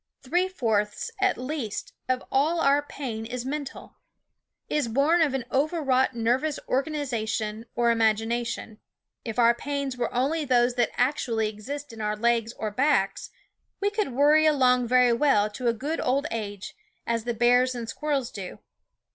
Three fourths, at least, of all our pain is mental ; is born of an overwrought nervous organiza tion, or imagination. If our pains were only those that actually exist in our legs or backs, we THE WOODS could worry along very well to a good old age, as the bears and squirrels do.